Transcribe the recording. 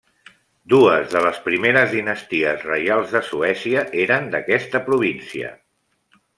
Dues de les primeres dinasties reials de Suècia eren d'aquesta província.